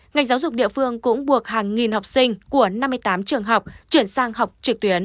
ngành giáo dục địa phương cũng buộc hàng nghìn học sinh của năm mươi tám trường học chuyển sang học trực tuyến